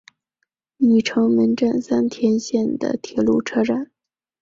御成门站三田线的铁路车站。